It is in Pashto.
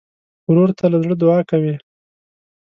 ورور ته له زړه دعا کوې.